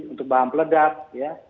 untuk bahan peledak ya